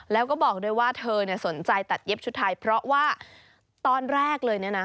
แล้วก็บอกด้วยว่าเธอสนใจตัดเย็บชุดไทยเพราะว่าตอนแรกเลยเนี่ยนะ